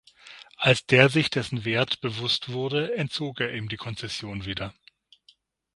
Als der sich dessen Wert bewusst wurde, entzog er ihm die Konzession wieder.